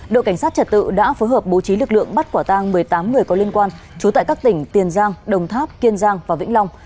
đội cảnh sát trật tự đã phối hợp bố trí lực lượng bắt quả tang một mươi tám người có liên quan trú tại các tỉnh tiền giang đồng tháp kiên giang và vĩnh long